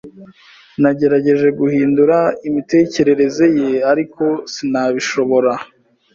Nagerageje guhindura imitekerereze ye, ariko sinabishobora.